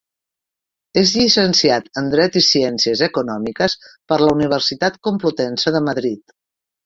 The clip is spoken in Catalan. És llicenciat en Dret i Ciències Econòmiques per la Universitat Complutense de Madrid.